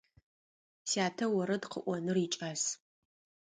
Сятэ орэд къыӏоныр икӏас.